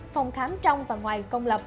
phòng khám trong và ngoài công lập